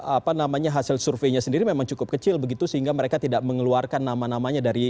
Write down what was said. apa namanya hasil surveinya sendiri memang cukup kecil begitu sehingga mereka tidak mengeluarkan nama namanya dari